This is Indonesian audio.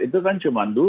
itu kan cuma dua